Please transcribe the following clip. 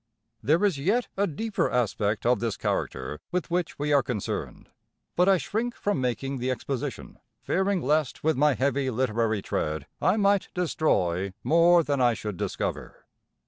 There is yet a deeper aspect of this character with which we are concerned; but I shrink from making the exposition, fearing lest with my heavy literary tread I might destroy more than I should discover.